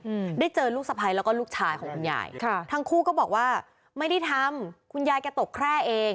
อืมได้เจอลูกสะพ้ายแล้วก็ลูกชายของคุณยายค่ะทั้งคู่ก็บอกว่าไม่ได้ทำคุณยายแกตกแคร่เอง